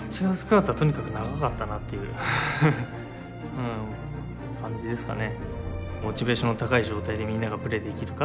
うん感じですかね。